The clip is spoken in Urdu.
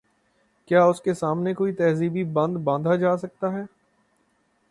کیا اس کے سامنے کوئی تہذیبی بند باندھا جا سکتا ہے؟